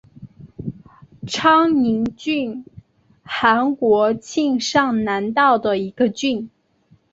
昌宁郡韩国庆尚南道的一个郡。